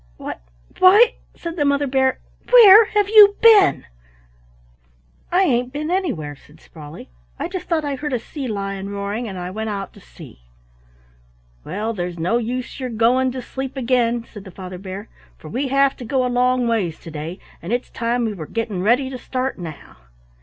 "Why! why!" said the Mother Bear, "where have you been?" "I ain't been anywhere," said Sprawley. "I just thought I heard a sea lion roaring and I went out to see." "Well, there's no use your going to sleep again," said the Father Bear, "for we have to go a long ways to day, and it's time we were getting ready to start now."